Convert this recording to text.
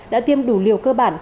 đã tiêm đủ liều cơ bản